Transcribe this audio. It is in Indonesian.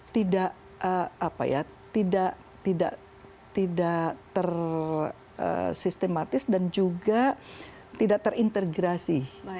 tidak tersistematis dan juga tidak terintegrasi